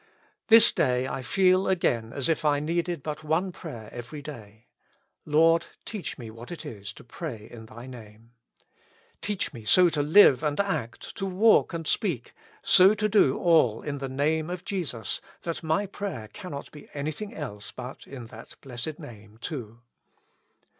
This day I feel again as if I needed but one prayer every day : Lord ! teach me what it is to pray in Thy name. Teach me so to live and act, to walk and speak, so to do all in the Name of Jesus, that my prayer cannot be anything else but in that blessed Name too.